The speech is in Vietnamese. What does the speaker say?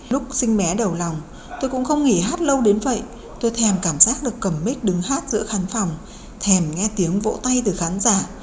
lúc sinh bé đầu lòng tôi cũng không nghỉ hát lâu đến vậy tôi thèm cảm giác được cầm mít đứng hát giữa khán phòng thèm nghe tiếng vỗ tay từ khán giả